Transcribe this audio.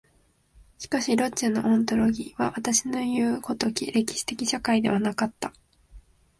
しかしロッチェのオントロギーは私のいう如き歴史的社会的ではなかった。